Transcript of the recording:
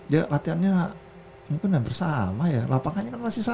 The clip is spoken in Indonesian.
ya latihannya mungkin yang bersama ya lapangannya kan masih sama